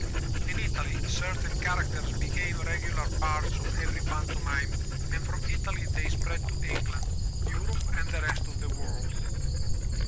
In Italy certain char acters became regular parts of every pantomime and from Italy they spread to England, Europe and the rest of the world.